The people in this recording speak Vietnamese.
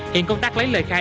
hiện công tác lấy lời khai